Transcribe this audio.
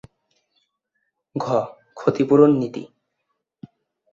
ঘ. ক্ষতিপূরণ নীতি